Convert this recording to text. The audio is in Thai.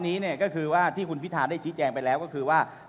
ทีว่าที่คุณพิทานได้ชี้แจงไปแล้วก็คือทุกวันไปแล้ว